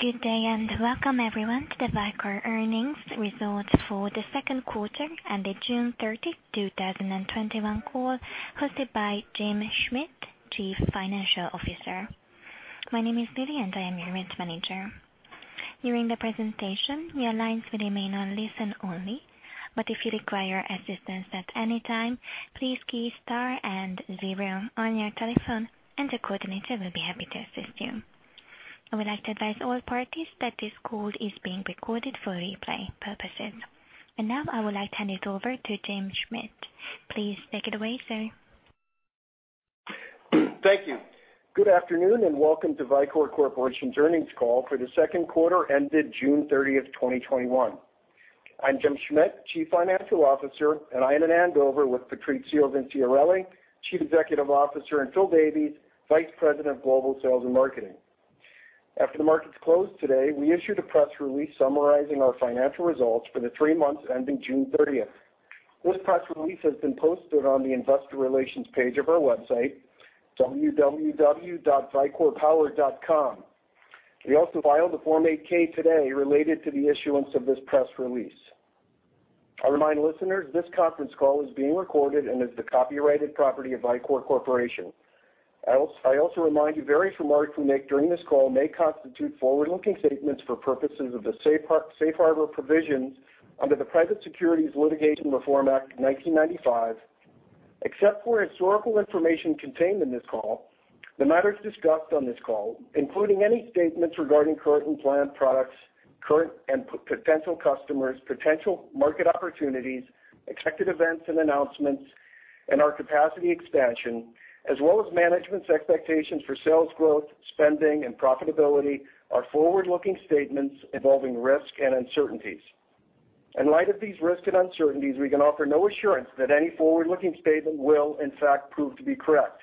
Good day, welcome everyone to the Vicor earnings results for the second quarter and the June 30, 2021 call hosted by Jim Schmidt, Chief Financial Officer. My name is Lily. I am your event manager. During the presentation, the lines will remain on listen only. If you require assistance at any time, please key star and zero on your telephone. The coordinator will be happy to assist you. I would like to advise all parties that this call is being recorded for replay purposes. Now, I would like to hand it over to Jim Schmidt. Please take it away, sir. Thank you. Good afternoon, and welcome to Vicor Corporation's earnings call for the second quarter ended June 30th, 2021. I'm Jim Schmidt, Chief Financial Officer, and I am in Andover with Patrizio Vinciarelli, Chief Executive Officer, and Phil Davies, Vice President of Global Sales and Marketing. After the markets closed today, we issued a press release summarizing our financial results for the three months ending June 30th. This press release has been posted on the Investor Relations page of our website, www.vicorpower.com. We also filed a Form 8-K today related to the issuance of this press release. I remind listeners this conference call is being recorded and is the copyrighted property of Vicor Corporation. I also remind you, various remarks we make during this call may constitute forward-looking statements for purposes of the Safe Harbor provisions under the Private Securities Litigation Reform Act of 1995. Except for historical information contained in this call, the matters discussed on this call, including any statements regarding current and planned products, current and potential customers, potential market opportunities, expected events and announcements, and our capacity expansion, as well as management's expectations for sales growth, spending, and profitability are forward-looking statements involving risks and uncertainties. In light of these risks and uncertainties, we can offer no assurance that any forward-looking statement will in fact prove to be correct.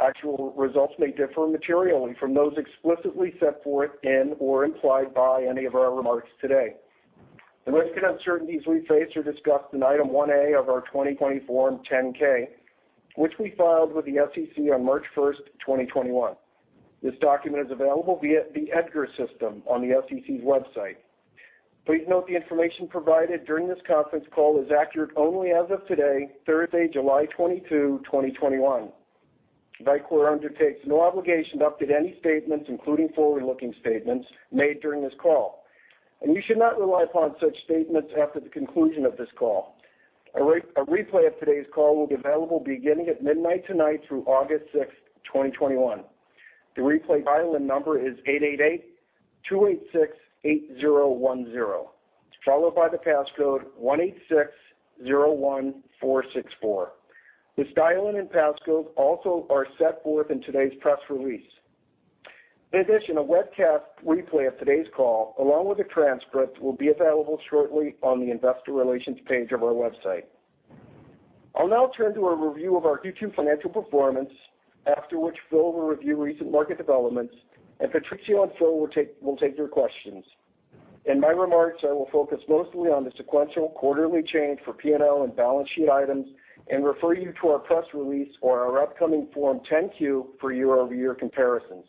Actual results may differ materially from those explicitly set forth in or implied by any of our remarks today. The risks and uncertainties we face are discussed in Item 1A of our 2020 Form 10-K, which we filed with the SEC on March 1st, 2021. This document is available via the EDGAR system on the SEC's website. Please note the information provided during this conference call is accurate only as of today, Thursday, July 22, 2021. Vicor undertakes no obligation to update any statements, including forward-looking statements made during this call, and you should not rely upon such statements after the conclusion of this call. A replay of today's call will be available beginning at midnight tonight through August 6th, 2021. The replay dial-in number is 888-286-8010, followed by the passcode 18601464. This dial-in and passcode also are set forth in today's press release. In addition, a webcast replay of today's call, along with a transcript, will be available shortly on the Investor Relations page of our website. I'll now turn to a review of our Q2 financial performance, after which Phil will review recent market developments, and Patrizio and Phil will take your questions. In my remarks, I will focus mostly on the sequential quarterly change for P&L and balance sheet items and refer you to our press release or our upcoming Form 10-Q for year-over-year comparisons.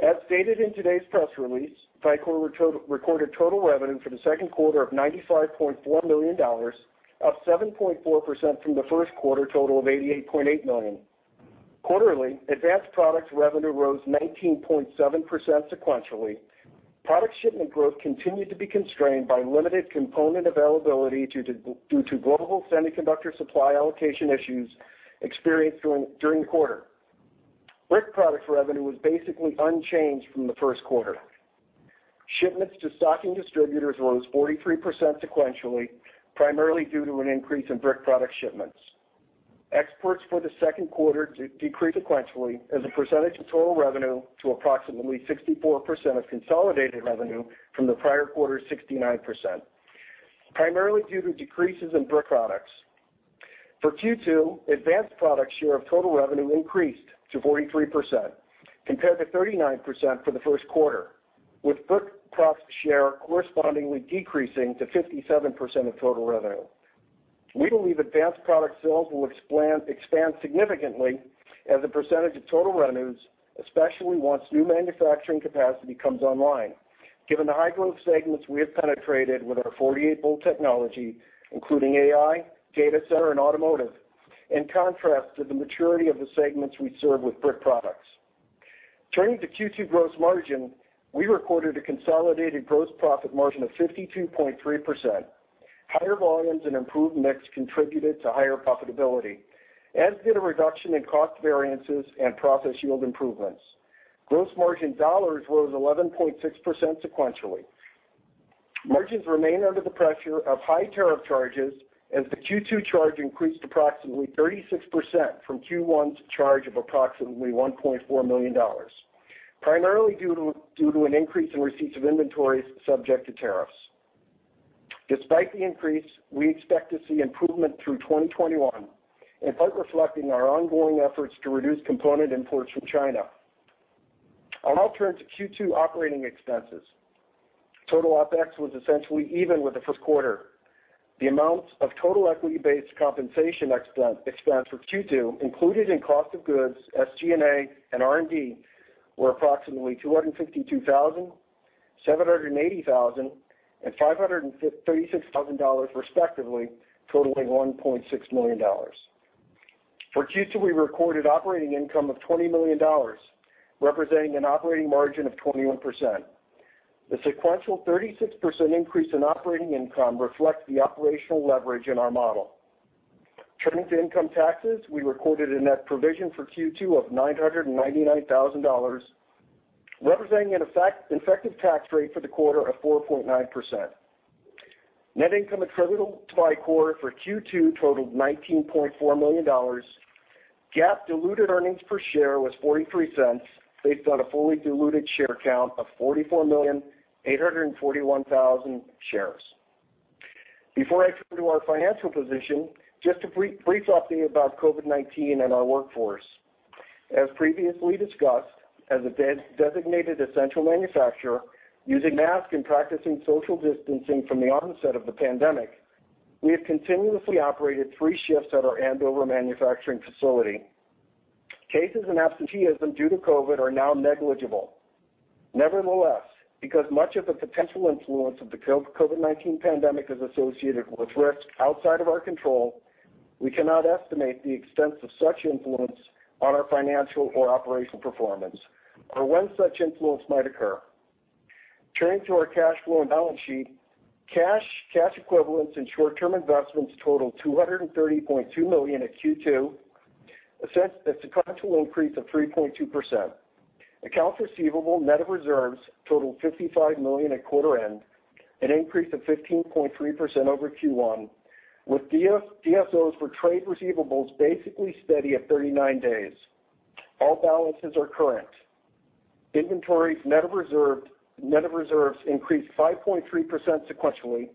As stated in today's press release, Vicor recorded total revenue for the second quarter of $95.4 million, up 7.4% from the first quarter total of $88.8 million. Quarterly, advanced products revenue rose 19.7% sequentially. Product shipment growth continued to be constrained by limited component availability due to global semiconductor supply allocation issues experienced during the quarter. Brick products revenue was basically unchanged from the first quarter. Shipments to stocking distributors rose 43% sequentially, primarily due to an increase in brick product shipments. Exports for the second quarter decreased sequentially as a percentage of total revenue to approximately 64% of consolidated revenue from the prior quarter's 69%, primarily due to decreases in brick products. For Q2, advanced products share of total revenue increased to 43%, compared to 39% for the first quarter, with brick products share correspondingly decreasing to 57% of total revenue. We believe advanced product sales will expand significantly as a percentage of total revenues, especially once new manufacturing capacity comes online given the high-growth segments we have penetrated with our 48-V technology, including AI, data center, and automotive, in contrast to the maturity of the segments we serve with brick products. Turning to Q2 gross margin, we recorded a consolidated gross profit margin of 52.3%. Higher volumes and improved mix contributed to higher profitability, as did a reduction in cost variances and process yield improvements. Gross margin dollars rose 11.6% sequentially. Margins remain under the pressure of high tariff charges, as the Q2 charge increased approximately 36% from Q1's charge of approximately $1.4 million, primarily due to an increase in receipts of inventories subject to tariffs. Despite the increase, we expect to see improvement through 2021, in part reflecting our ongoing efforts to reduce component imports from China. I'll now turn to Q2 operating expenses. Total OpEx was essentially even with the first quarter. The amount of total equity-based compensation expense for Q2 included in cost of goods, SG&A, and R&D, were approximately $252,000, $780,000, and $536,000 respectively, totaling $1.6 million. For Q2, we recorded operating income of $20 million, representing an operating margin of 21%. The sequential 36% increase in operating income reflects the operational leverage in our model. Turning to income taxes, we recorded a net provision for Q2 of $999,000, representing an effective tax rate for the quarter of 4.9%. Net income attributable to Vicor for Q2 totaled $19.4 million. GAAP diluted earnings per share was $0.43 based on a fully diluted share count of 44,841,000 shares. Before I turn to our financial position, just a brief update about COVID-19 and our workforce. As previously discussed, as a designated essential manufacturer, using masks and practicing social distancing from the onset of the pandemic, we have continuously operated three shifts at our Andover manufacturing facility. Cases and absenteeism due to COVID are now negligible. Nevertheless, because much of the potential influence of the COVID-19 pandemic is associated with risks outside of our control, we cannot estimate the extent of such influence on our financial or operational performance, or when such influence might occur. Turning to our cash flow and balance sheet, cash equivalents, and short-term investments totaled $230.2 million at Q2, a sequential increase of 3.2%. Accounts receivable net of reserves totaled $55 million at quarter end, an increase of 15.3% over Q1, with DSOs for trade receivables basically steady at 39 days. All balances are current. Inventories net of reserves increased 5.3% sequentially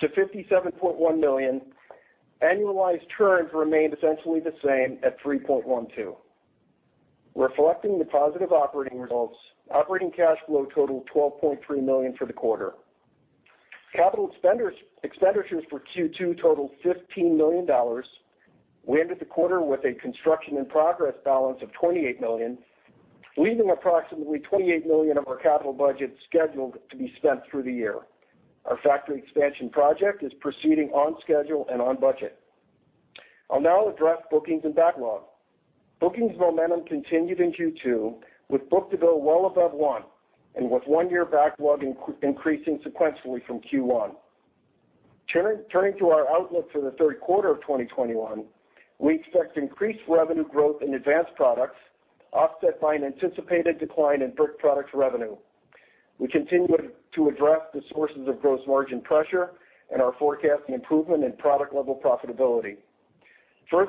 to $57.1 million. Annualized turns remained essentially the same at 3.12%. Reflecting the positive operating results, operating cash flow totaled $12.3 million for the quarter. Capital expenditures for Q2 totaled $15 million. We ended the quarter with a construction in progress balance of $28 million, leaving approximately $28 million of our capital budget scheduled to be spent through the year. Our factory expansion project is proceeding on schedule and on budget. I'll now address bookings and backlog. Bookings momentum continued in Q2 with book-to-bill well above one, and with one-year backlog increasing sequentially from Q1. Turning to our outlook for the third quarter of 2021, we expect increased revenue growth in advanced products offset by an anticipated decline in brick products revenue. We continue to address the sources of gross margin pressure and are forecasting improvement in product-level profitability.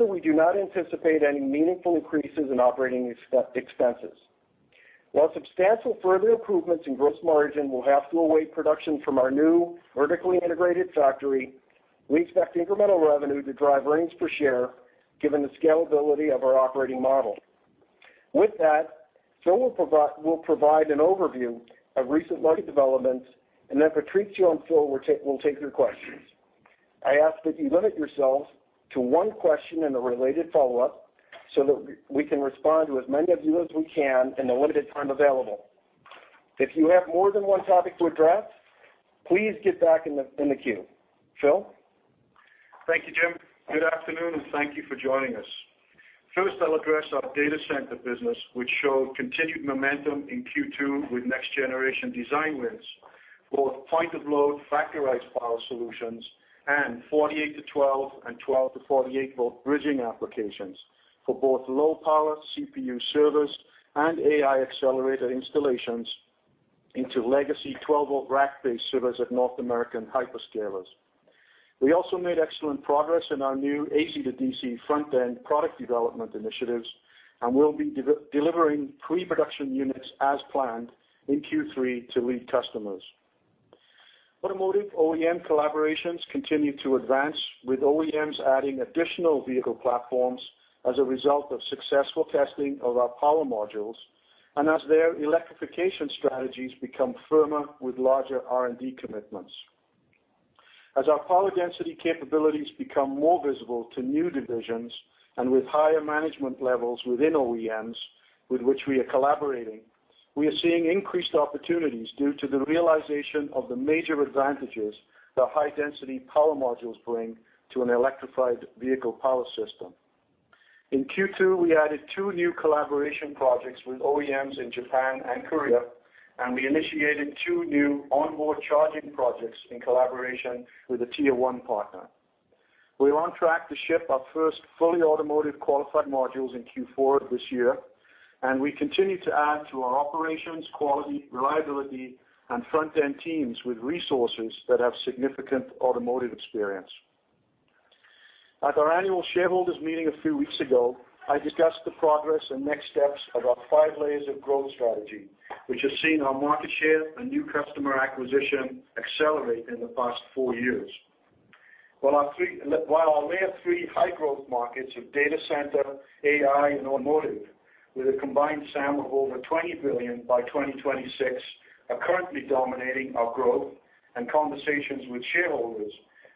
We do not anticipate any meaningful increases in operating expenses. While substantial further improvements in gross margin will have to await production from our new vertically integrated factory, we expect incremental revenue to drive earnings per share given the scalability of our operating model. With that, Phil will provide an overview of recent market developments, and then Patrizio and Phil will take your questions. I ask that you limit yourselves to one question and a related follow-up so that we can respond to as many of you as we can in the limited time available. If you have more than one topic to address, please get back in the queue. Phil? Thank you, Jim. Good afternoon, and thank you for joining us. First, I'll address our data center business, which showed continued momentum in Q2 with next-generation design wins for point of load Factorized Power solutions and 48 to 12 and 12 to 48-V bridging applications for both low-power CPU servers and AI accelerator installations into legacy 12-V rack-based servers at North American hyperscalers. We also made excellent progress in our new AC-DC front-end product development initiatives, and we'll be delivering pre-production units as planned in Q3 to lead customers. Automotive OEM collaborations continue to advance with OEMs adding additional vehicle platforms as a result of successful testing of our power modules, and as their electrification strategies become firmer with larger R&D commitments. As our power density capabilities become more visible to new divisions and with higher management levels within OEMs with which we are collaborating, we are seeing increased opportunities due to the realization of the major advantages that high-density power modules bring to an electrified vehicle power system. In Q2, we added two new collaboration projects with OEMs in Japan and Korea, and we initiated two new onboard charging projects in collaboration with a Tier 1 partner. We're on track to ship our first fully automotive qualified modules in Q4 of this year, and we continue to add to our operations, quality, reliability, and front-end teams with resources that have significant automotive experience. At our annual shareholders meeting a few weeks ago, I discussed the progress and next steps of our five layers of growth strategy, which has seen our market share and new customer acquisition accelerate in the past four years. While our layer three high-growth markets of data center, AI, and automotive, with a combined SAM of over $20 billion by 2026, are currently dominating our growth and conversations with shareholders,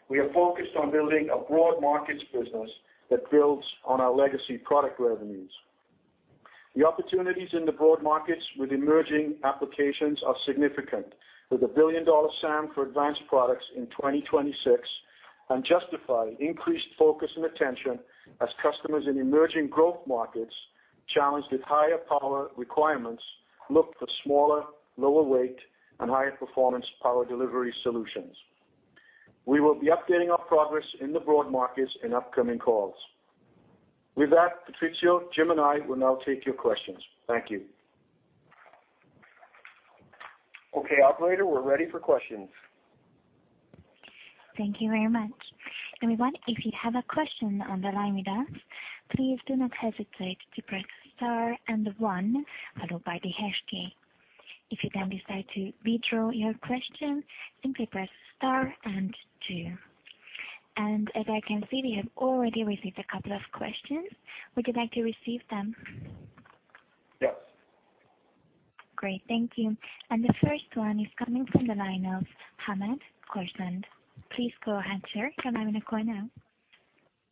we are focused on building a broad markets business that builds on our legacy product revenues. The opportunities in the broad markets with emerging applications are significant, with a billion-dollar SAM for advanced products in 2026, and justify increased focus and attention as customers in emerging growth markets, challenged with higher power requirements, look for smaller, lower weight, and higher performance power delivery solutions. We will be updating our progress in the broad markets in upcoming calls. With that, Patrizio, Jim, and I will now take your questions. Thank you. Okay, operator, we're ready for questions. Thank you very much. Everyone, if you have a question on the line with us, please do not hesitate to press star and one, followed by the hash key. If you then decide to withdraw your question, simply press star and two. And as I can see, we have already received a couple of questions. Would you like to receive them? Yes. Great. Thank you. The first one is coming from the line of Hamed Khorsand. Please go ahead, sir. Your line is open now.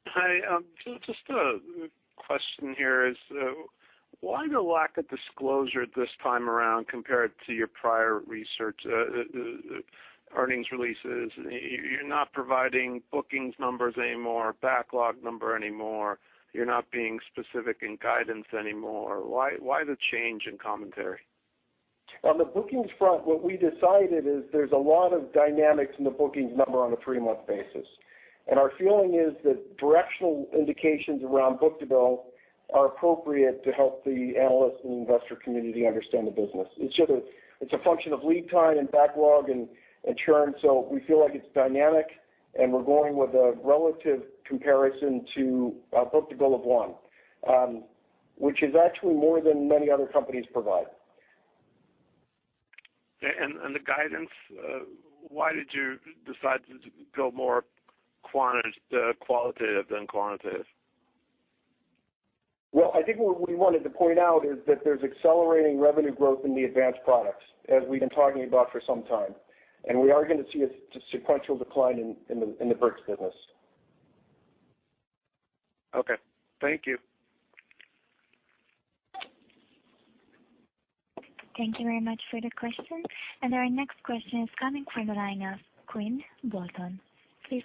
Hi. Just a question here is, why the lack of disclosure this time around compared to your prior research, earnings releases? You're not providing bookings numbers anymore, backlog number anymore. You're not being specific in guidance anymore. Why the change in commentary? On the bookings front, what we decided is there's a lot of dynamics in the bookings number on a three-month basis. Our feeling is that directional indications around book-to-bill are appropriate to help the analyst and investor community understand the business. It's a function of lead time and backlog and churn, so we feel like it's dynamic, and we're going with a relative comparison to a book-to-bill of one, which is actually more than many other companies provide. The guidance, why did you decide to go more qualitative than quantitative? Well, I think what we wanted to point out is that there's accelerating revenue growth in the advanced products, as we've been talking about for some time. We are going to see a sequential decline in the bricks business. Okay. Thank you. Thank you very much for the question. Our next question is coming from the line of Quinn Bolton. Please go ahead, sir. Hey,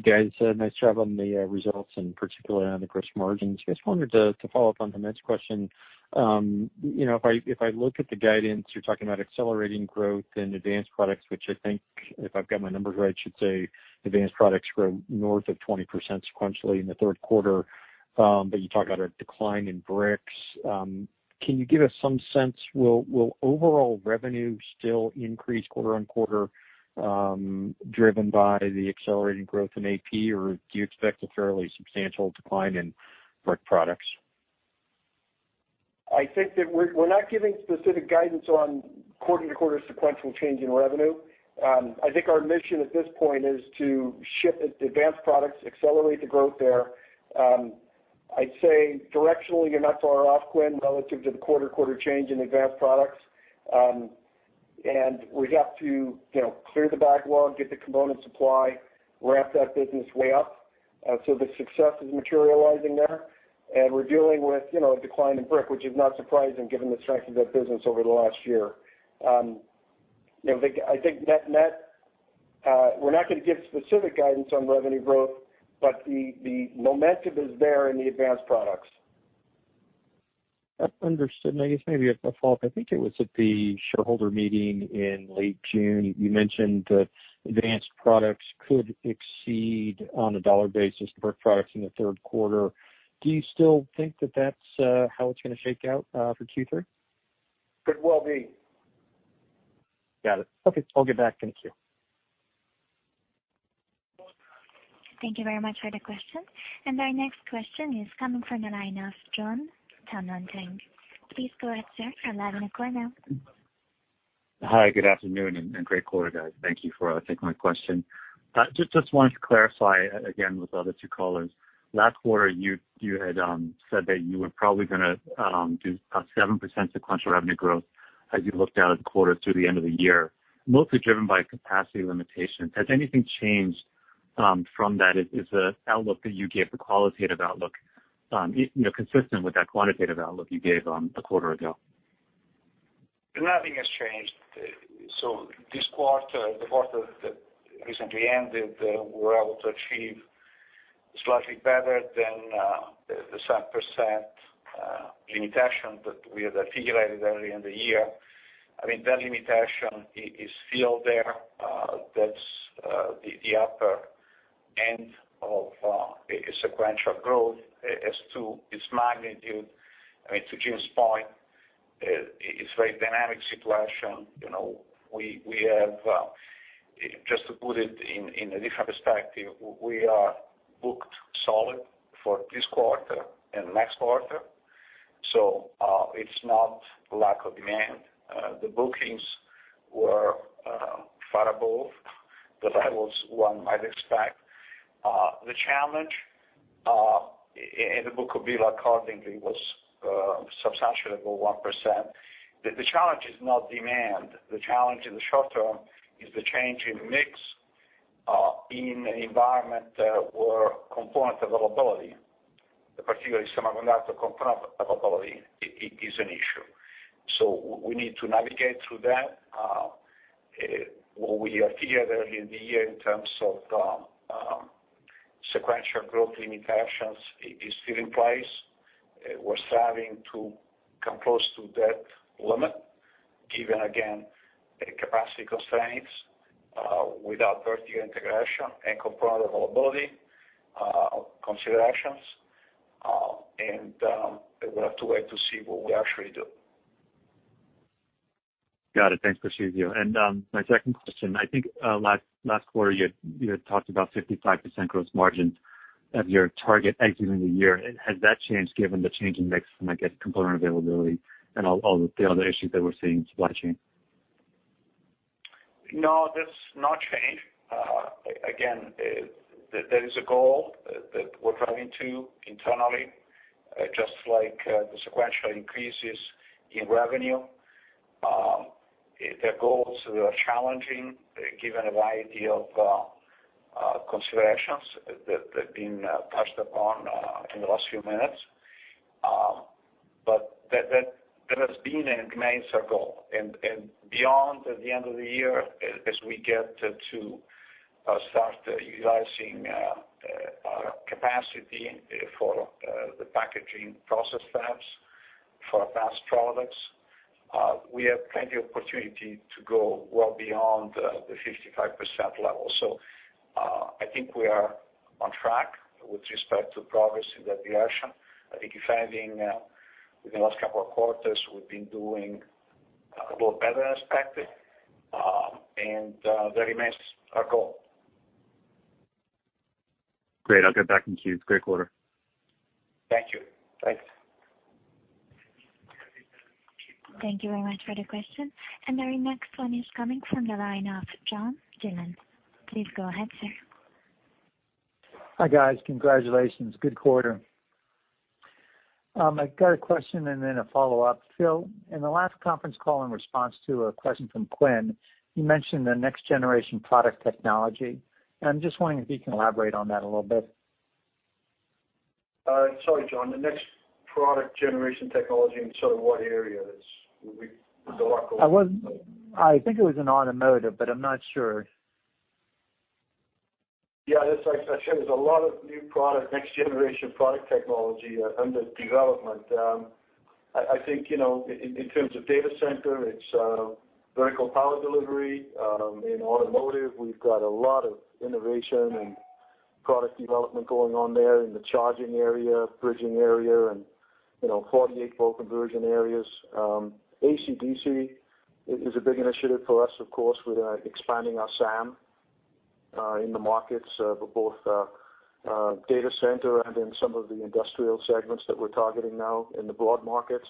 guys. Nice job on the results and particularly on the gross margins. Just wanted to follow up on Hamed's question. If I look at the guidance, you're talking about accelerating growth in advanced products, which I think, if I've got my numbers right, should say advanced products grew north of 20% sequentially in the third quarter. You talk about a decline in bricks. Can you give us some sense, will overall revenue still increase quarter-on-quarter, driven by the accelerating growth in AP, or do you expect a fairly substantial decline in brick products? I think that we're not giving specific guidance on quarter-to-quarter sequential change in revenue. I think our mission at this point is to ship advanced products, accelerate the growth there. I'd say directionally, you're not far off, Quinn, relative to the quarter-to-quarter change in advanced products. We have to clear the backlog, get the component supply, ramp that business way up. The success is materializing there, and we're dealing with a decline in brick, which is not surprising given the strength of that business over the last year. I think net, we're not going to give specific guidance on revenue growth, but the momentum is there in the advanced products. Understood. I guess maybe a follow-up. I think it was at the shareholder meeting in late June, you mentioned that advanced products could exceed on a dollar basis the brick products in the third quarter. Do you still think that that's how it's going to shake out for Q3? Could well be. Got it. Okay, I'll get back. Thank you. Thank you very much for the question. Our next question is coming from the line of Jon Tanwanteng. Please go ahead, sir. Your line is open now. Hi, good afternoon, and great quarter, guys. Thank you for taking my question. Just wanted to clarify again with the other two callers. Last quarter, you had said that you were probably going to do 7% sequential revenue growth as you looked out at quarters through the end of the year, mostly driven by capacity limitations. Has anything changed from that? Is the outlook that you gave, the qualitative outlook, consistent with that quantitative outlook you gave a quarter ago? Nothing has changed. This quarter, the quarter that recently ended, we were able to achieve slightly better than the 7% limitation that we had figured early in the year. I mean, that limitation is still there. That's the upper end of sequential growth as to its magnitude. I mean, to Jim's point, it's very dynamic situation. Just to put it in a different perspective, we are booked solid for this quarter and next quarter. It's not lack of demand. The bookings were far above the levels one might expect. The challenge in the bookable, accordingly, was substantially above 1%. The challenge is not demand. The challenge in the short term is the change in mix, in an environment where component availability, particularly semiconductor component availability, is an issue. We need to navigate through that. What we articulated earlier in the year in terms of sequential growth limitations is still in place. We're starting to come close to that limit given, again, the capacity constraints with our vertical integration and component availability considerations. We'll have to wait to see what we actually do. Got it. Thanks, Patrizio. My second question, I think last quarter you had talked about 55% gross margin of your target exiting the year. Has that changed given the change in mix and, I guess, component availability and all the other issues that we're seeing in supply chain? No, that's not changed. That is a goal that we're driving to internally, just like the sequential increases in revenue. The goals are challenging given a variety of considerations that have been touched upon in the last few minutes. That has been and remains our goal. Beyond the end of the year, as we get to start utilizing our capacity for the packaging process fabs for advanced products, we have plenty opportunity to go well beyond the 55% level. I think we are on track with respect to progress in that direction. I think if anything, within the last couple of quarters, we've been doing a lot better than expected, and that remains our goal. Great. I'll get back in queue. Great quarter. Thank you. Thanks. Thank you very much for the question. The next one is coming from the line of John Dillon. Please go ahead, sir. Hi, guys. Congratulations. Good quarter. I've got a question and then a follow-up. Phil, in the last conference call in response to a question from Quinn, you mentioned the next generation product technology, and I'm just wondering if you can elaborate on that a little. Sorry, John, the next product generation technology, in sort of what area? There's a lot going on. I think it was in automotive, but I'm not sure. Yeah, as I said, there's a lot of new product, next generation product technology under development. I think, in terms of data center, it's Vertical Power Delivery. In automotive, we've got a lot of innovation and product development going on there in the charging area, bridging area, and 48-V conversion areas. AC/DC is a big initiative for us, of course, with expanding our SAM in the markets for both data center and in some of the industrial segments that we're targeting now in the broad markets.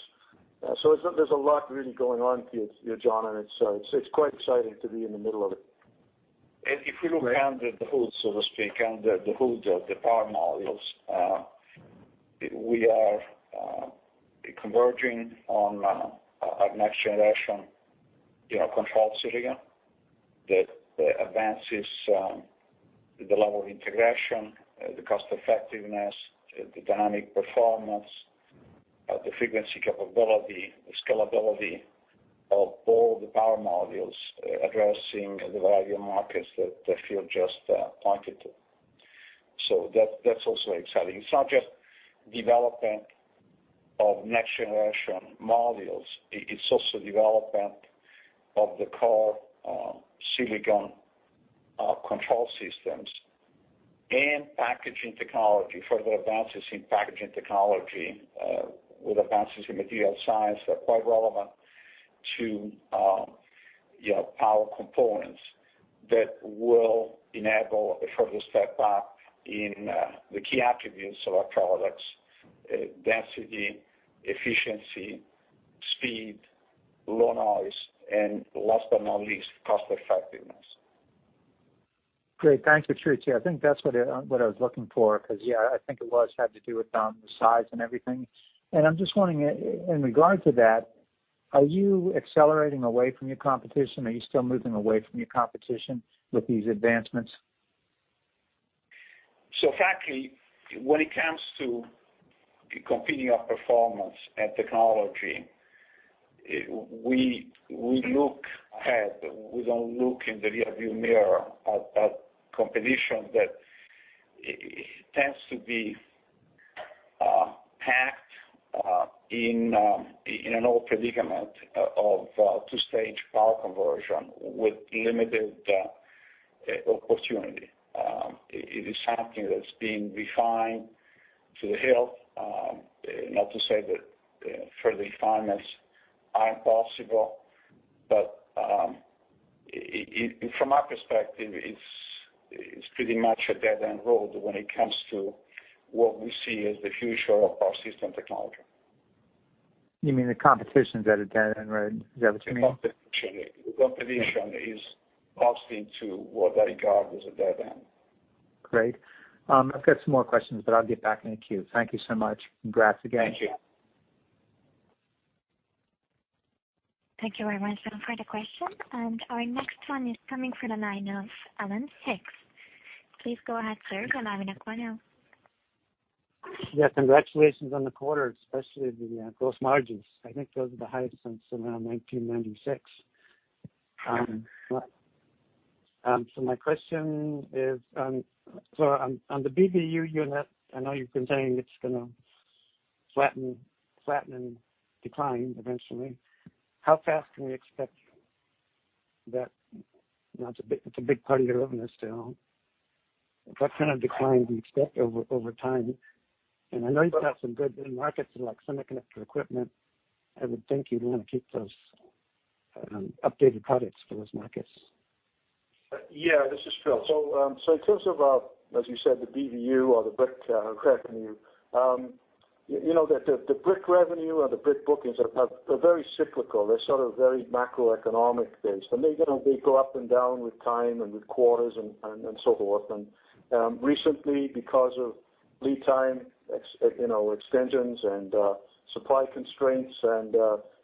There's a lot really going on, John, and it's quite exciting to be in the middle of it. If you look under the hood, so to speak, under the hood of the power modules, we are converging on our next generation control silicon that advances the level of integration, the cost effectiveness, the dynamic performance, the frequency capability, the scalability of all the power modules addressing the various markets that Phil just pointed to. That's also exciting. It's not just development of next generation modules. It's also development of the core silicon control systems and packaging technology, further advances in packaging technology, with advances in material science that are quite relevant to power components that will enable a further step up in the key attributes of our products. Density, efficiency, speed, low noise, and last but not least, cost effectiveness. Great. Thanks, Patrizio. I think that's what I was looking for because yeah, I think it had to do with the size and everything. I'm just wondering in regards to that, are you accelerating away from your competition? Are you still moving away from your competition with these advancements? Frankly, when it comes to competing on performance and technology, we don't look in the rear view mirror at competition that tends to be packed in an old predicament of two-stage power conversion with limited opportunity. It is something that's been refined to the hilt. Not to say that further refinements aren't possible. From our perspective, it's pretty much a dead-end road when it comes to what we see as the future of power system technology. You mean the competition's at a dead end road? Is that what you mean? The competition is obviously to what I regard as a dead end. Great. I've got some more questions, but I'll get back in the queue. Thank you so much. Congrats again. Thank you. Thank you very much for the question. Our next one is coming from the line of Alan Hicks. Please go ahead, sir. Congratulations on the quarter, especially the gross margins. I think those are the highest since around 1996. My question is, on the BBU, I know you've been saying it's going to flatten and decline eventually. How fast can we expect that? It's a big part of your business still. What kind of decline do you expect over time? I know you've got some good end markets in like semiconductor equipment. I would think you'd want to keep those updated products for those markets. Yeah, this is Phil. In terms of, as you said, the BBU or the brick revenue. The brick revenue or the brick bookings are very cyclical. They're sort of very macroeconomic based, and they go up and down with time and with quarters and so forth. Recently, because of lead time extensions and supply constraints and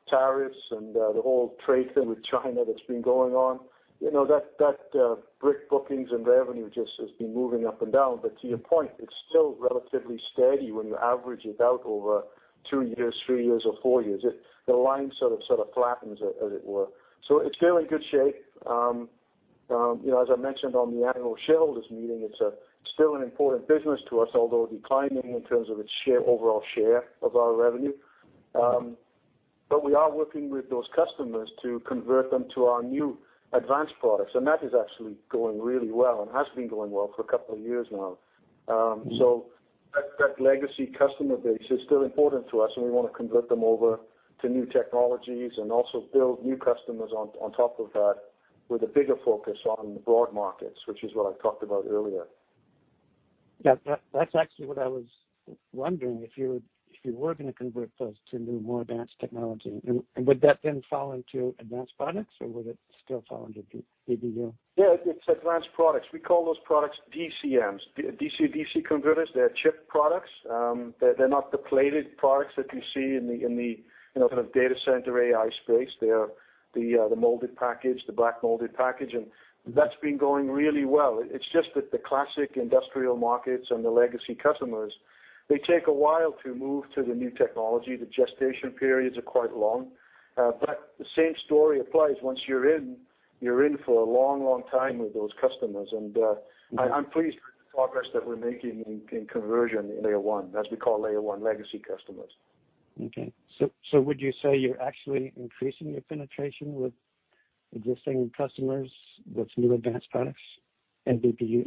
tariffs and the whole trade thing with China that's been going on, that brick bookings and revenue just has been moving up and down. To your point, it's still relatively steady when you average it out over two years, three years, or four years. The line sort of flattens, as it were. It's still in good shape. As I mentioned on the annual shareholders meeting, it's still an important business to us, although declining in terms of its overall share of our revenue. We are working with those customers to convert them to our new advanced products, and that is actually going really well and has been going well for a couple of years now. That legacy customer base is still important to us, and we want to convert them over to new technologies and also build new customers on top of that with a bigger focus on the broad markets, which is what I talked about earlier. That's actually what I was wondering, if you were going to convert those to new, more advanced technology. Would that then fall into advanced products, or would it still fall under BBU? Yeah, it's advanced products. We call those products DCMs, DC/DC converters. They're chip products. They're not the plated products that you see in the sort of data center AI space. They are the molded package, the black molded package. That's been going really well. It's just that the classic industrial markets and the legacy customers, they take a while to move to the new technology. The gestation periods are quite long. The same story applies. Once you're in, you're in for a long time with those customers. I'm pleased with the progress that we're making in conversion in Tier 1, as we call Tier 1 legacy customers. Okay. Would you say you're actually increasing your penetration with existing customers with new advanced products and BBU?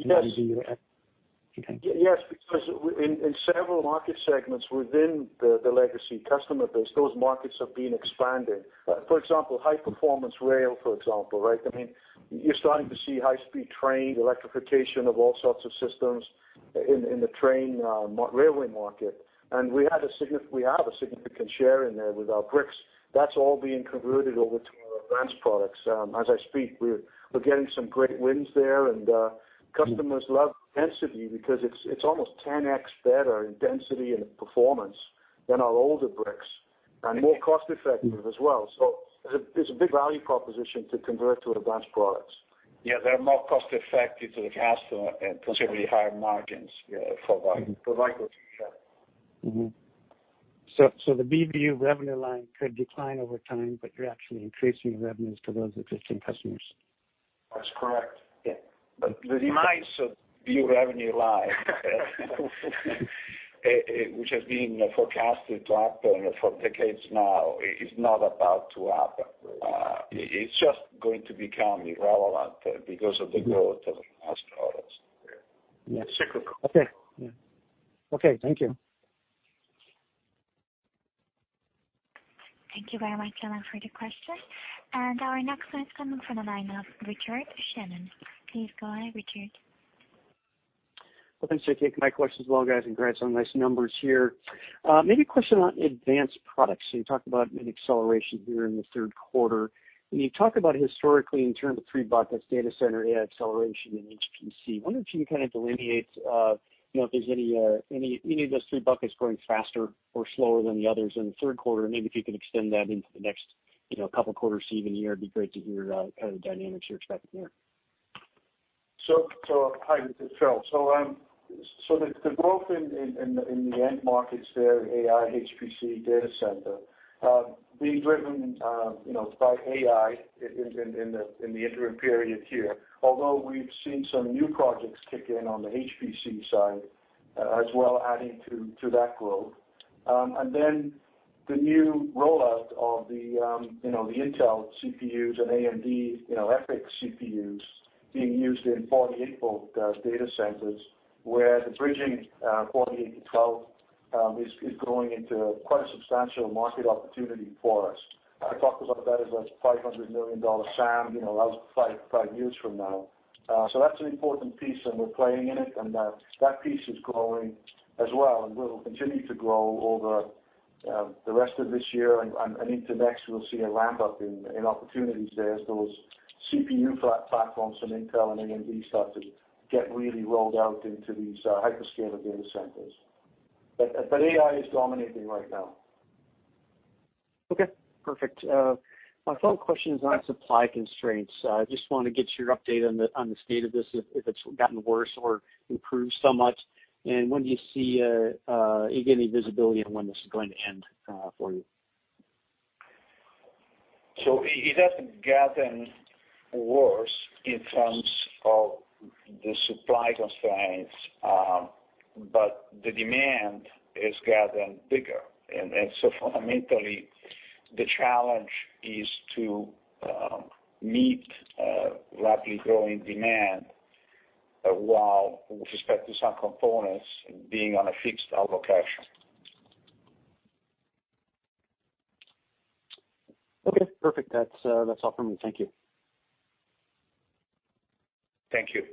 Yes. Okay. In several market segments within the legacy customer base, those markets have been expanded. For example, high-performance rail, for example, right? You're starting to see high-speed train electrification of all sorts of systems in the train railway market. We have a significant share in there with our bricks. That's all being converted over to our advanced products. As I speak, we're getting some great wins there, and customers love density because it's almost 10x better in density and performance than our older bricks, and more cost-effective as well. There's a big value proposition to convert to advanced products. Yeah, they're more cost-effective to the customer and considerably higher margins for Vicor. The BBU revenue line could decline over time, but you're actually increasing your revenues to those existing customers. That's correct. Yeah. The demise of BBU revenue line which has been forecasted to happen for decades now, is not about to happen. It's just going to become irrelevant because of the growth of advanced products. Yes. Cyclical. Okay. Yeah. Okay. Thank you. Thank you very much, Alan, for the question. Our next one is coming from the line of Richard Shannon. Please go ahead, Richard. Well, thanks. I take my questions as well, guys, and congrats on the nice numbers here. Maybe a question on advanced products. You talked about an acceleration here in the third quarter, and you talked about historically in terms of three buckets, data center, AI acceleration, and HPC. Wonder if you can kind of delineate if there's any of those three buckets growing faster or slower than the others in the third quarter, and maybe if you could extend that into the next couple of quarters, even a year, it'd be great to hear the kind of dynamics you're expecting there. Hi, this is Phil. The growth in the end markets there, AI, HPC, data center, being driven by AI in the interim period here. Although we've seen some new projects kick in on the HPC side as well, adding to that growth. The new rollout of the Intel CPUs and AMD EPYC CPUs being used in 48 V data centers, where the bridging 48 V to 12 V is growing into quite a substantial market opportunity for us. I talked about that as a $500 million SAM, that was five years from now. That's an important piece and we're playing in it, and that piece is growing as well, and will continue to grow over the rest of this year and into next. We'll see a ramp-up in opportunities there as those CPU platforms from Intel and AMD start to get really rolled out into these hyperscaler data centers. AI is dominating right now. Okay, perfect. My follow-up question is on supply constraints. I just want to get your update on the state of this, if it's gotten worse or improved so much, and you get any visibility on when this is going to end for you? It hasn't gotten worse in terms of the supply constraints, but the demand is getting bigger. Fundamentally, the challenge is to meet rapidly growing demand, while with respect to some components being on a fixed allocation. Okay, perfect. That is all for me. Thank you. Thank you.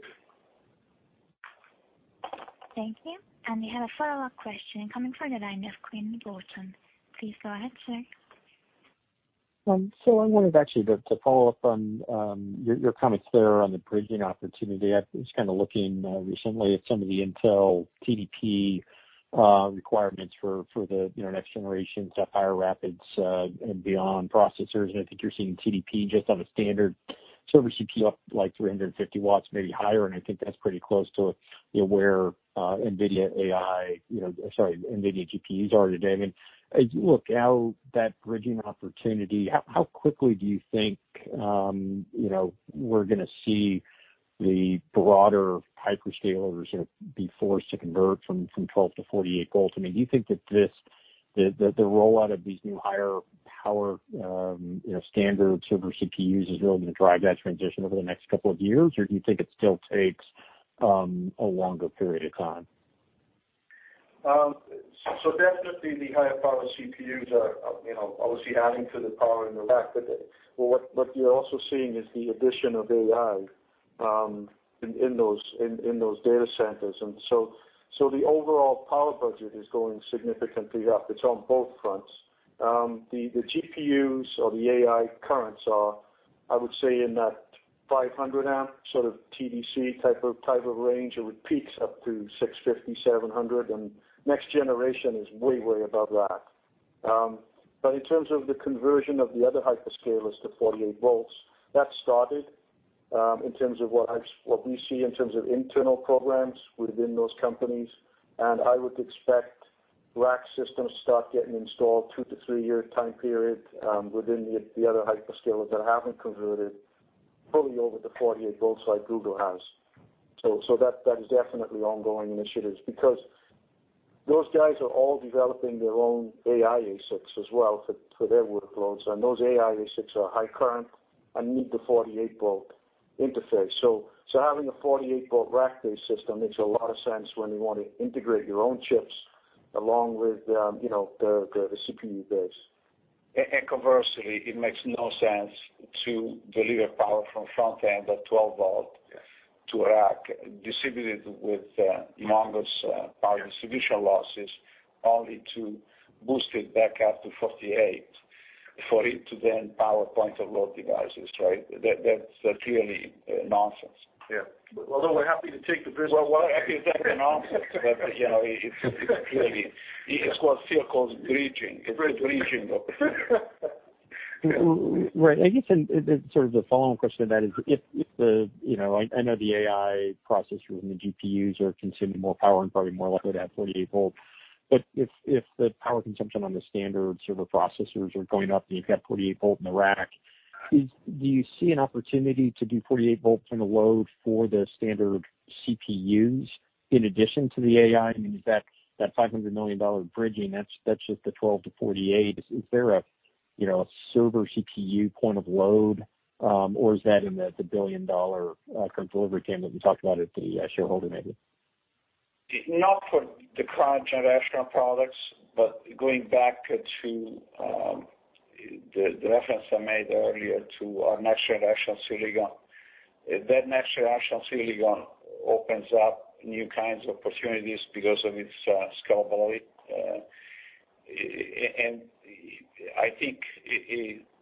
Thank you. We have a follow-up question coming from the line of Quinn Bolton. Please go ahead, sir. I wanted actually to follow up on your comments there on the bridging opportunity. I was kind of looking recently at some of the Intel TDP requirements for the next generation stuff, Sapphire Rapids and beyond processors. I think you're seeing TDP just on a standard server CPU up like 350 W, maybe higher, and I think that's pretty close to where NVIDIA GPUs are today. As you look out that bridging opportunity, how quickly do you think we're going to see the broader hyperscalers be forced to convert from 12 V to 48 V? Do you think that the rollout of these new higher power standard server CPUs is going to drive that transition over the next two years, or do you think it still takes a longer period of time? Definitely the higher power CPUs are obviously adding to the power in the rack. What you're also seeing is the addition of AI in those data centers. The overall power budget is going significantly up. It's on both fronts. The GPUs or the AI currents are, I would say, in that 500 A sort of TDP type of range, and with peaks up to 650 A, 700 A, and next generation is way above that. In terms of the conversion of the other hyperscalers to 48 V, that started in terms of what we see in terms of internal programs within those companies. I would expect rack systems start getting installed two to three year time period within the other hyperscalers that haven't converted fully over to 48 V like Google has. That is definitely ongoing initiatives, because those guys are all developing their own AI ASICs as well for their workloads. Those AI ASICs are high current and need the 48-V interface. Having a 48-V rack-based system makes a lot of sense when you want to integrate your own chips along with the CPU base. Conversely, it makes no sense to deliver power from front end at 12 V. Yes. To rack distributed with enormous power distribution losses, only to boost it back up to 48 V for it to then power point of load devices, right? That's clearly nonsense. Yeah. Although we're happy to take the business. Well, we're happy to take the nonsense, but generally it's clearly, it's what Phil calls bridging. It's a bridging opportunity. Right. I guess, and sort of the follow-on question to that is, I know the AI processors and the GPUs are consuming more power and probably more likely to have 48 V. If the power consumption on the standard server processors are going up and you've got 48 V in the rack, do you see an opportunity to do 48 V point of load for the standard CPUs in addition to the AI? Is that $500 million bridging, that's just the 12 V to 48 V. Is there a server CPU point of load? Is that in the billion-dollar opportunity that we talked about at the shareholder maybe? Not for the current generational products, but going back to the reference I made earlier to our next generation silicon. That next generation silicon opens up new kinds of opportunities because of its scalability. I think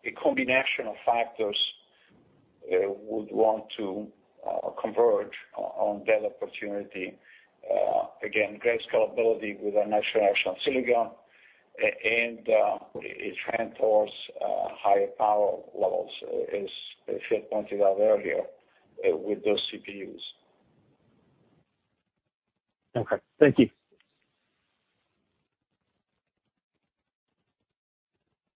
a combination of factors would want to converge on that opportunity. Again, great scalability with our next generation silicon, it handles higher power levels, as Phil pointed out earlier, with those CPUs. Okay. Thank you.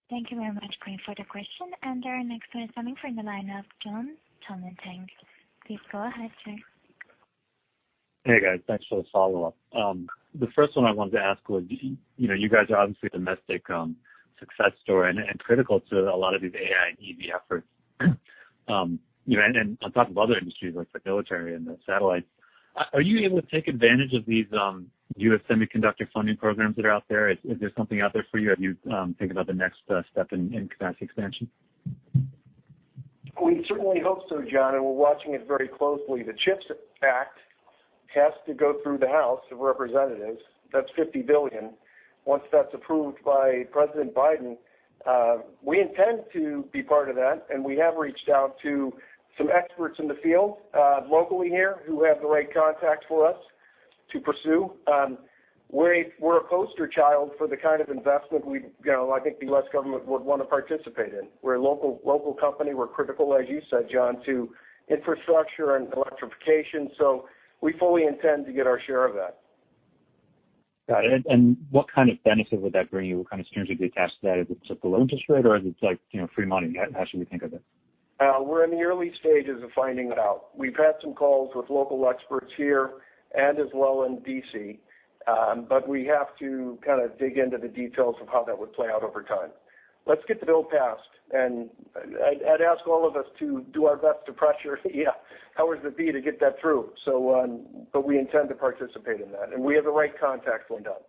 Thank you very much, Quinn, for the question. Our next question is coming from the line of Jon Tanwanteng. Please go ahead, sir. Hey guys, thanks for the follow-up. The first one I wanted to ask was, you guys are obviously a domestic success story and critical to a lot of these AI and EV efforts. On top of other industries like the military and the satellites. Are you able to take advantage of these U.S. semiconductor funding programs that are out there? Is there something out there for you as you think about the next step in capacity expansion? We certainly hope so, Jon, we're watching it very closely. The CHIPS Act has to go through the House of Representatives. That's $50 billion. Once that's approved by President Biden, we intend to be part of that, and we have reached out to some experts in the field, locally here, who have the right contacts for us to pursue. We're a poster child for the kind of investment we, I think the U.S. government would want to participate in. We're a local company. We're critical, as you said, Jon, to infrastructure and electrification. We fully intend to get our share of that. Got it. What kind of benefit would that bring you? What kind of strings would be attached to that? Is it just a low interest rate, or is it free money? How should we think of it? We're in the early stages of finding it out. We've had some calls with local experts here and as well in D.C., but we have to dig into the details of how that would play out over time. Let's get the bill passed, and I'd ask all of us to do our best to pressure powers that be to get that through. We intend to participate in that, and we have the right contacts lined up.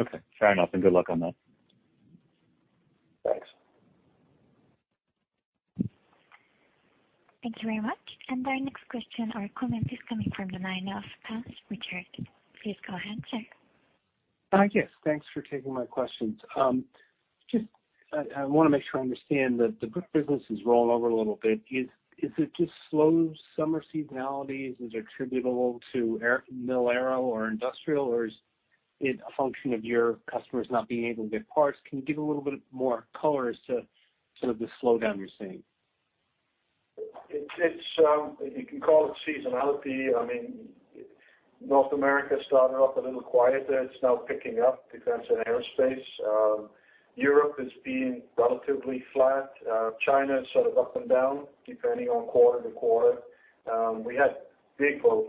Okay, fair enough. Good luck on that. Thanks. Thank you very much. Our next question or comment is coming from the line of Richard Shannon. Please go ahead, sir. Yes, thanks for taking my questions. Just, I want to make sure I understand, the brick business has rolled over a little bit. Is it just slow summer seasonality? Is it attributable to mil-aero or industrial, or is it a function of your customers not being able to get parts? Can you give a little bit more color as to the slowdown you're seeing? You can call it seasonality. North America started off a little quieter. It's now picking up, defense and aerospace. Europe is being relatively flat. China is sort of up and down depending on quarter to quarter. We had big growth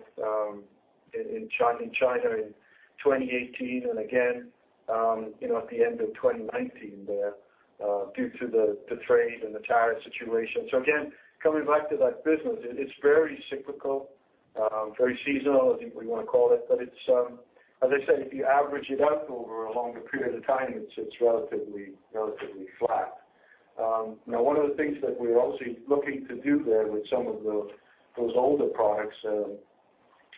in China in 2018 and again at the end of 2019 there due to the trade and the tariff situation. Again, coming back to that business, it's very cyclical, very seasonal, I think we want to call it. As I said, if you average it out over a longer period of time, it's relatively flat. One of the things that we're obviously looking to do there with some of those older products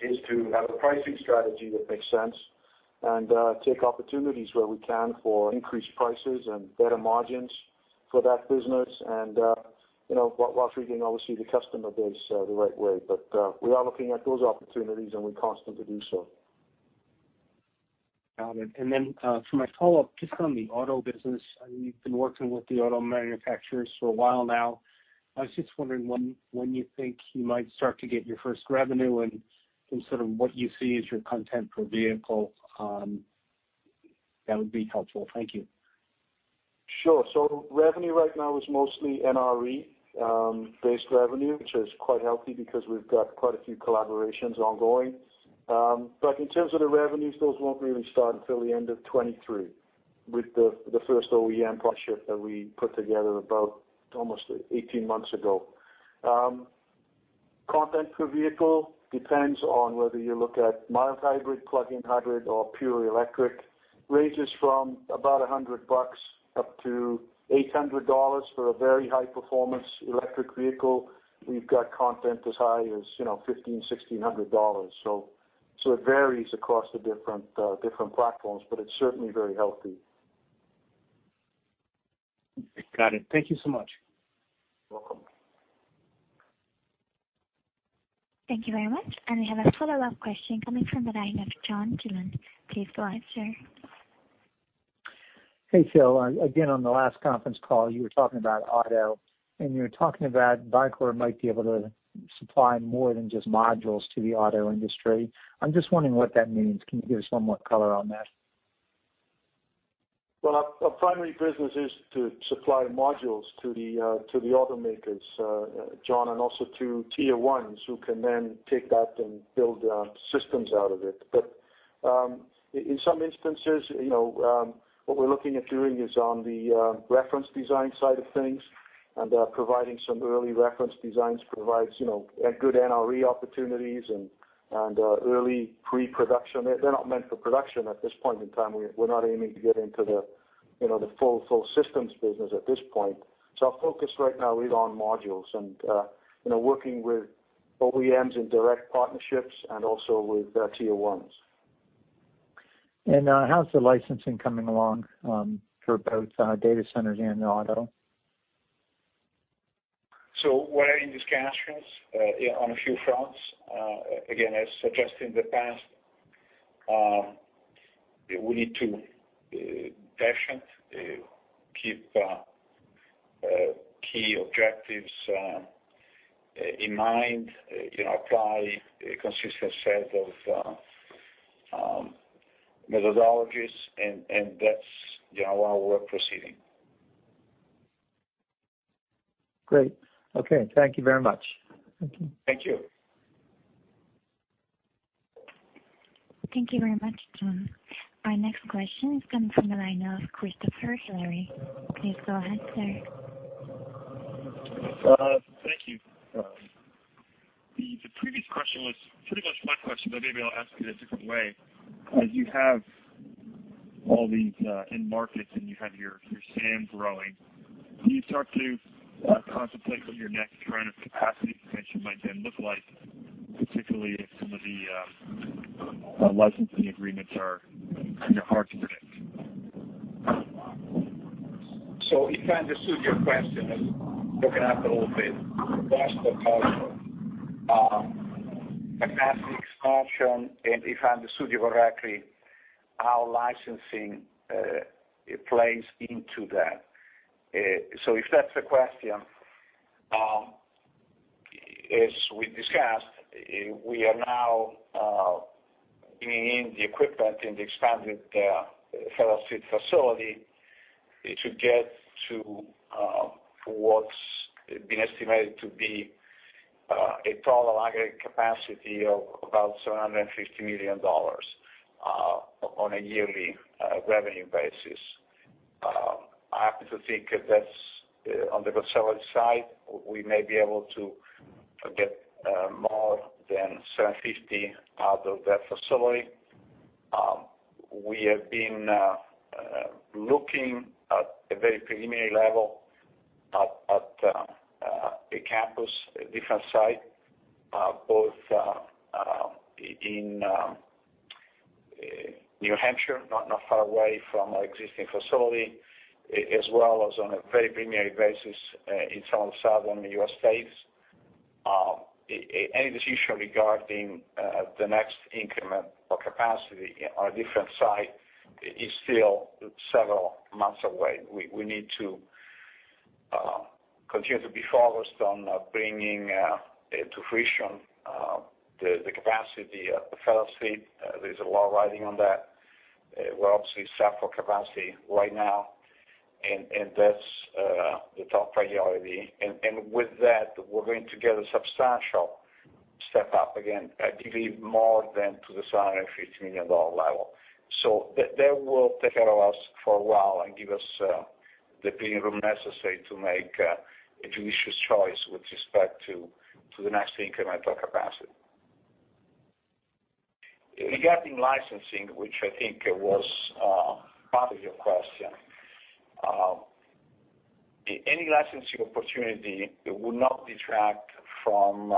is to have a pricing strategy that makes sense and take opportunities where we can for increased prices and better margins for that business. Whilst treating, obviously, the customer base the right way. We are looking at those opportunities, and we constantly do so. Got it. For my follow-up, just on the auto business, you've been working with the auto manufacturers for a while now. I was just wondering when you think you might start to get your first revenue and what you see as your content per vehicle. That would be helpful. Thank you. Sure. Revenue right now is mostly NRE-based revenue, which is quite healthy because we've got quite a few collaborations ongoing. In terms of the revenues, those won't really start until the end of 2023 with the first OEM partnership that we put together about almost 18 months ago. Content per vehicle depends on whether you look at mild hybrid, plug-in hybrid, or pure electric. Ranges from about $100 up to $800 for a very high-performance electric vehicle. We've got content as high as $1,500, $1,600. It varies across the different platforms, but it's certainly very healthy. Got it. Thank you so much. Welcome. Thank you very much. We have a follow-up question coming from the line of John Dillon. Please go ahead, sir. Hey, Phil. Again, on the last conference call, you were talking about auto, and you were talking about Vicor might be able to supply more than just modules to the auto industry. I'm just wondering what that means. Can you give us somewhat color on that? Well, our primary business is to supply modules to the automakers, John, and also to Tier 1s, who can then take that and build systems out of it. In some instances, what we're looking at doing is on the reference design side of things and providing some early reference designs provides good NRE opportunities and early pre-production. They're not meant for production at this point in time. We're not aiming to get into the full systems business at this point. Our focus right now is on modules and working with OEMs in direct partnerships and also with Tier 1s. How's the licensing coming along for both data centers and auto? We're having discussions on a few fronts. Again, as suggested in the past, we need to be patient, keep key objectives in mind, apply a consistent set of methodologies, and that's how we're proceeding. Great. Okay. Thank you very much. Thank you. Thank you. Thank you very much, John. Our next question is coming from the line of Christopher Hillary. Please go ahead, sir. Thank you. The previous question was pretty much my question, but maybe I'll ask it a different way. As you have all these end markets and you have your SAM growing, do you start to contemplate what your next round of capacity expansion might then look like, particularly if some of the licensing agreements are hard to predict? If I understood your question, I'll look it up a little bit. First, the cultural capacity expansion, and if I understood you correctly, how licensing plays into that. If that's the question, as we discussed, we are now bringing in the equipment in the expanded Federal Street facility to get to what's been estimated to be a total aggregate capacity of about $750 million on a yearly revenue basis. I happen to think that on the facility side, we may be able to get more than $750 million out of that facility. We have been looking at a very preliminary level at a campus, a different site, both in New Hampshire, not far away from our existing facility, as well as on a very preliminary basis in some southern U.S. states. Any decision regarding the next increment of capacity on a different site is still several months away. We need to continue to be focused on bringing to fruition the capacity at the Federal Street. There's a lot riding on that. We're obviously set for capacity right now, and that's the top priority. With that, we're going to get a substantial step-up again, I believe more than to the $750 million level. That will take care of us for a while and give us the breathing room necessary to make a judicious choice with respect to the next incremental capacity. Regarding licensing, which I think was part of your question, any licensing opportunity would not detract from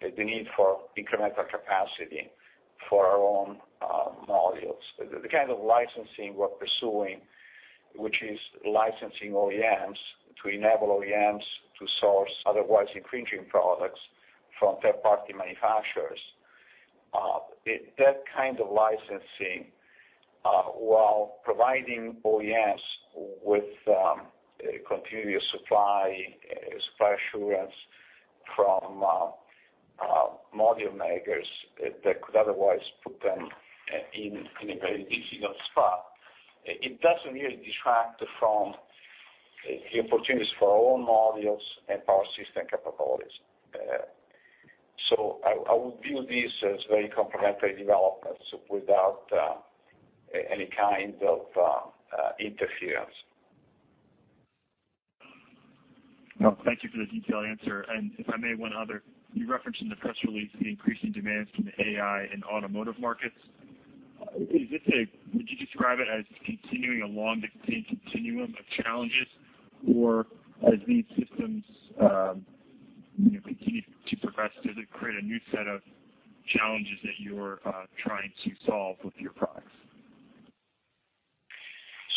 the need for incremental capacity for our own modules. The kind of licensing we're pursuing, which is licensing OEMs to enable OEMs to source otherwise infringing products from third-party manufacturers. That kind of licensing, while providing OEMs with continuous supply assurance from module makers that could otherwise put them in a very difficult spot, it doesn't really detract from the opportunities for our own modules and power system capabilities. I would view this as very complementary developments without any kind of interference. Thank you for the detailed answer. If I may, one other. You referenced in the press release the increasing demands from the AI and automotive markets. Would you describe it as continuing along the same continuum of challenges, or as these systems continue to progress, does it create a new set of challenges that you're trying to solve with your products?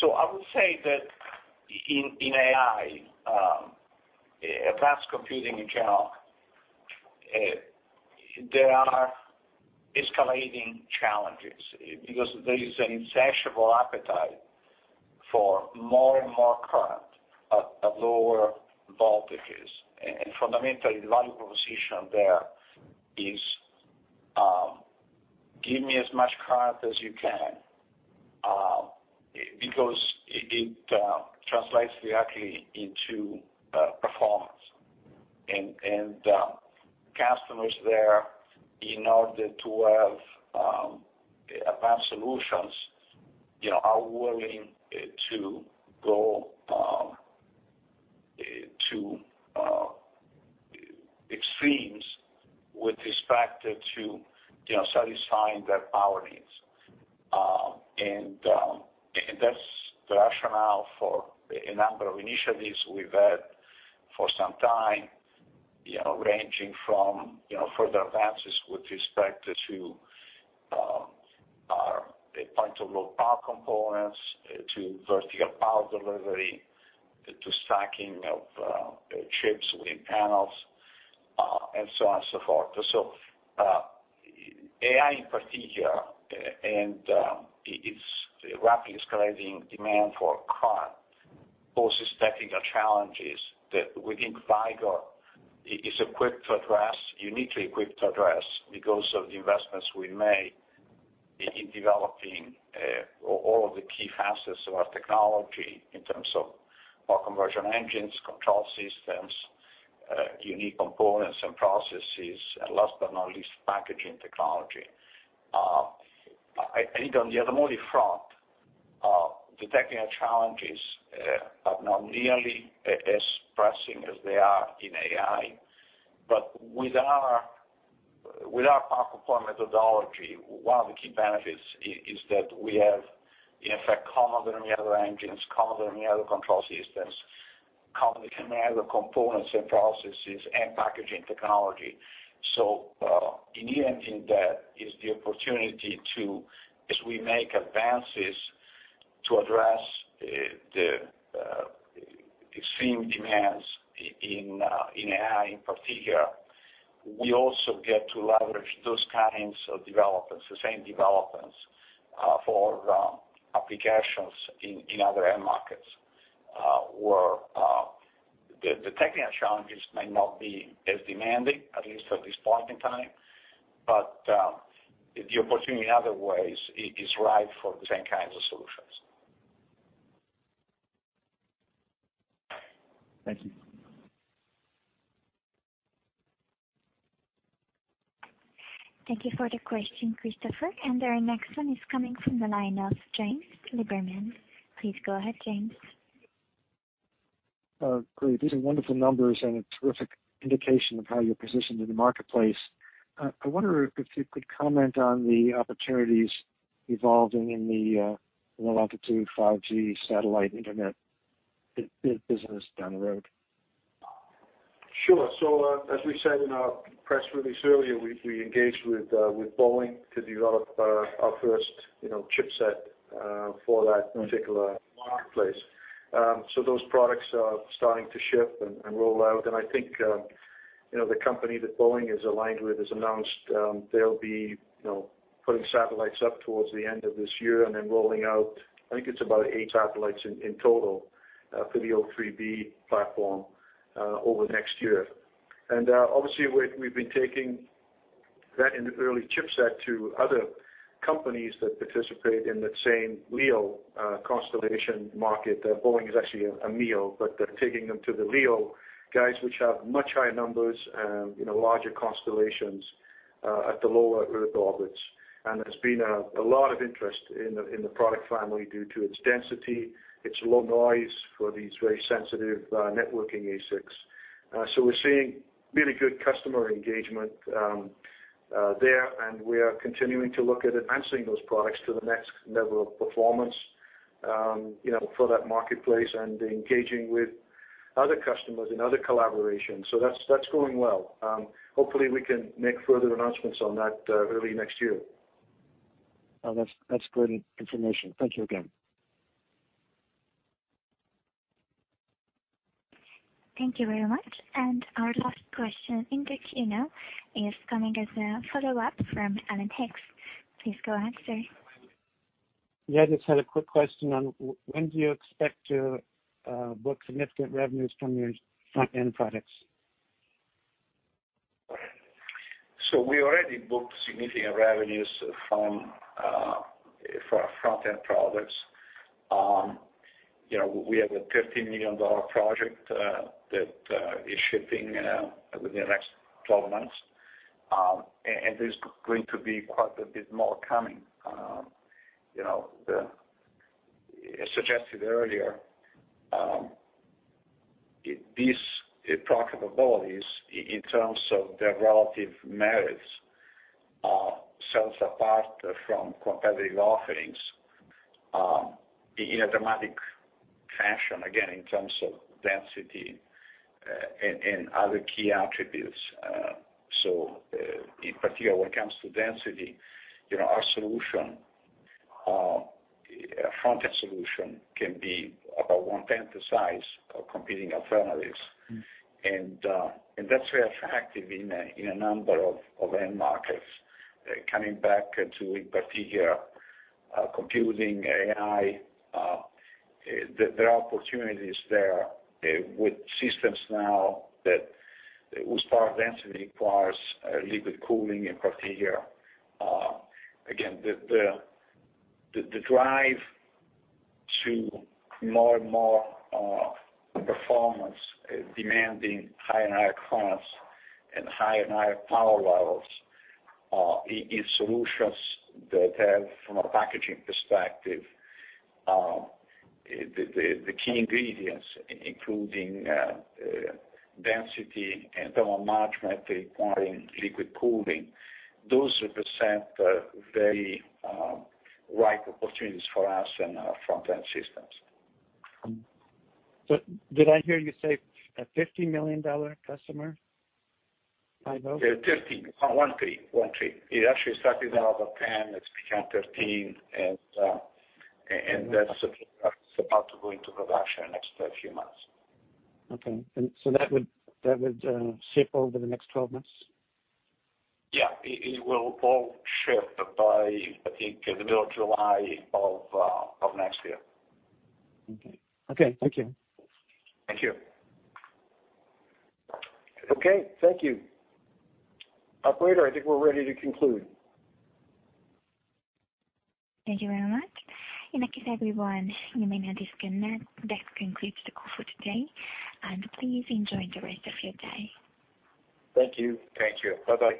I would say that in AI, advanced computing in general, there are escalating challenges because there is an insatiable appetite for more and more current at lower voltages. Fundamentally, the value proposition there is, give me as much current as you can, because it translates directly into performance. Customers there, in order to have advanced solutions, are willing to go to extremes with respect to satisfying their power needs. That's the rationale for a number of initiatives we've had for some time, ranging from further advances with respect to our point-of-load power components, to Vertical Power Delivery, to stacking of chips within panels, and so on and so forth. AI in particular, and its rapidly escalating demand for current, poses technical challenges that we think Vicor is uniquely equipped to address because of the investments we made in developing all of the key facets of our technology in terms of our conversion engines, control systems, unique components and processes, and last but not least, packaging technology. I think on the other multi front, the technical challenges are not nearly as pressing as they are in AI. With our power deployment methodology, one of the key benefits is that we have, in effect, common to the other engines, common to the other control systems, common to the other components and processes and packaging technology. In the end, in that is the opportunity to, as we make advances to address the extreme demands in AI in particular, we also get to leverage those kinds of developments, the same developments for applications in other end markets, where the technical challenges may not be as demanding, at least at this point in time, but the opportunity in other ways is ripe for the same kinds of solutions. Thank you. Thank you for the question, Christopher. Our next one is coming from the line of James Liberman. Please go ahead, James. Great. These are wonderful numbers and a terrific indication of how you're positioned in the marketplace. I wonder if you could comment on the opportunities evolving in the low altitude 5G satellite internet business down the road. Sure. As we said in our press release earlier, we engaged with Boeing to develop our first chipset for that particular marketplace. Those products are starting to ship and roll out, and I think the company that Boeing is aligned with has announced they'll be putting satellites up towards the end of this year and then rolling out, I think it's about eight satellites in total for the O3b platform over the next year. Obviously, we've been taking that early chipset to other companies that participate in that same LEO constellation market, Boeing is actually a MEO, but they're taking them to the LEO guys, which have much higher numbers, larger constellations at the lower Earth orbits. There's been a lot of interest in the product family due to its density, its low noise for these very sensitive networking ASICs. We're seeing really good customer engagement there, and we are continuing to look at advancing those products to the next level of performance for that marketplace and engaging with other customers in other collaborations. That's going well. Hopefully, we can make further announcements on that early next year. That's great information. Thank you again. Thank you very much. Our last question in the queue now is coming as a follow-up from Alan Hicks. Please go ahead, sir. Yeah, just had a quick question on when do you expect to book significant revenues from your front-end products? We already booked significant revenues from our front-end products. We have a $13 million project that is shipping within the next 12 months, and there's going to be quite a bit more coming. As suggested earlier, these product abilities, in terms of their relative merits, are selves apart from competitive offerings in a dramatic fashion, again, in terms of density and other key attributes. In particular, when it comes to density, our front-end solution can be about one-tenth the size of competing alternatives. That's very attractive in a number of end markets. Coming back to, in particular, computing, AI, there are opportunities there with systems now whose power density requires liquid cooling in particular. Again, the drive to more and more performance demanding higher and higher costs and higher and higher power levels in solutions that have, from a packaging perspective, the key ingredients, including density and thermal management requiring liquid cooling. Those represent very ripe opportunities for us and our front-end systems. Did I hear you say a $50 million customer? $13 million. One three. It actually started out at $10 million, it's become $13 million, and that's about to go into production in the next few months. Okay. That would ship over the next 12 months? Yeah. It will all ship by, I think, the middle of July of next year. Okay. Thank you. Thank you. Okay, thank you. Operator, I think we're ready to conclude. Thank you very much. In that case, everyone, you may now disconnect. That concludes the call for today, and please enjoy the rest of your day. Thank you. Thank you. Bye-bye.